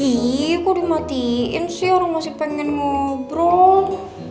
ih kok dimatiin sih orang masih pengen ngobrol